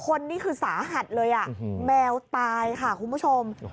นี่คือสาหัสเลยแมวตายค่ะคุณผู้ชม